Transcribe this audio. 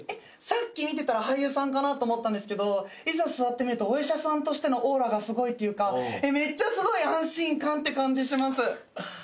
さっき俳優さんかなと思ったんだけどいざ座ってみるとお医者さんとしてのオーラがすごいっていうかめっちゃすごい安心感って感じします。